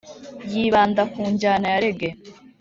yibanda ku njyana ya rege